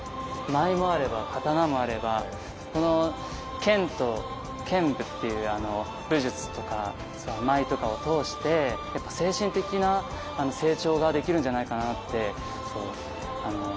舞もあれば刀もあればこの剣と剣舞っていう武術とか舞とかを通して精神的な成長ができるんじゃないかなって今日通して思いましたね。